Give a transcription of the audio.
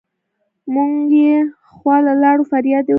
مونږ يې خواله لاړو فرياد يې وکړو